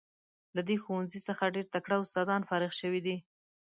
له دې ښوونځي څخه ډیر تکړه استادان فارغ شوي دي.